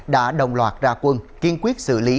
đã đồng loạt ra quân kiên quyết xử lý